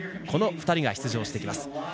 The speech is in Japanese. この２人が出場してきます。